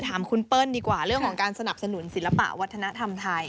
ถามคุณเปิ้ลดีกว่าเรื่องของการสนับสนุนศิลปะวัฒนธรรมไทย